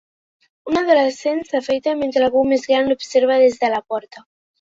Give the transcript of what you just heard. Un adolescent s'afaita mentre algú més gran l'observa des de la porta.